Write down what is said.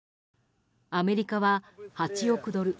アメリカは８億ドル